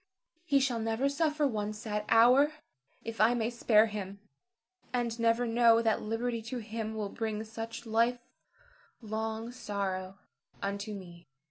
He shall never suffer one sad hour if I may spare him, and never know that liberty to him will bring such life long sorrow unto me.